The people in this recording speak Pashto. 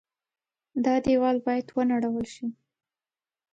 دا دېوال باید ونړول شي.